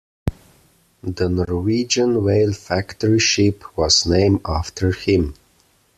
The Norwegian whale factory ship was named after him.